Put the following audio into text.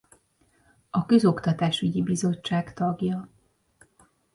A közoktatásügyi bizottság tagja.